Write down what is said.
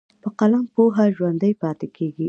په قلم پوهه ژوندی پاتې کېږي.